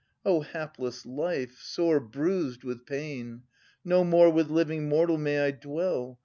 O hapless life, sore bruised with pain! No more with living mortal may I dwell.